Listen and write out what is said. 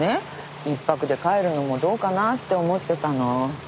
１泊で帰るのもどうかなって思ってたの。